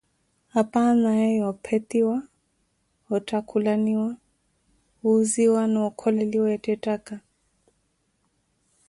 Apa anaaye ophetiwa, ottakhulaniwa, wuuziya na okholeliwa eettettaka.